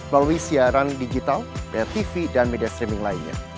melalui siaran digital tv dan media streaming lainnya